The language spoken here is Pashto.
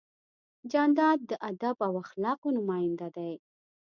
جانداد د ادب او اخلاقو نماینده دی.